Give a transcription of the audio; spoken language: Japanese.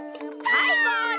はいゴール！